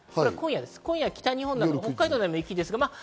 今夜、北日本など北海道では雪です。